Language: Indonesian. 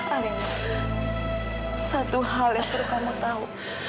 paling satu hal yang perlu kamu tahu